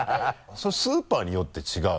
それスーパーによって違う？